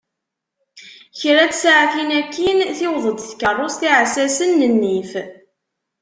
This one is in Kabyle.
Kra n tsaɛtin akin, tiweḍ-d tkarrust n yiɛessassen n nnif.